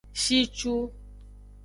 Shicu.